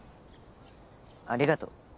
ありがとう。